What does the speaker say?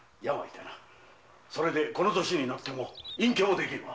それでこの歳になっても隠居もできぬわ。